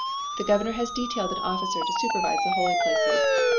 The governor has detailed an officer to supervise the holy places.